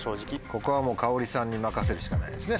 ここはもうかをりさんに任せるしかないですね